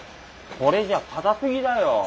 これじゃ硬すぎだよ。